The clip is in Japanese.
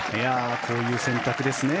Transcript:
こういう選択ですね。